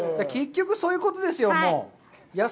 結局、そういうことですよ、もう。